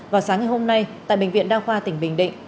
vào sáng ngày hôm nay tại bệnh viện đa khoa tỉnh bình định